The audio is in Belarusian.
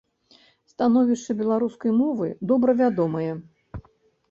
Становішча беларускай мовы добра вядомае.